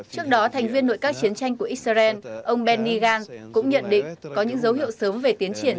trước đó thành viên nội các chiến tranh của israel ông benny gantz cũng nhận định có những dấu hiệu sớm về tiến triển